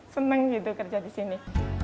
seneng gitu kerja di sini